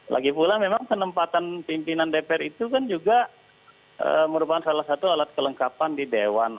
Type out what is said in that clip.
lagi pula memang penempatan pimpinan dpr itu kan juga merupakan salah satu alat kelengkapan di dewan